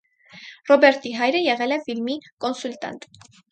Ռոբերտի հայրը եղել է ֆիլմի կոնսուլտանտ։